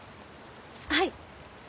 はい。